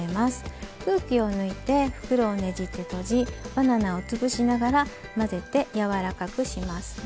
空気を抜いて袋をねじって閉じバナナをつぶしながら混ぜてやわらかくします。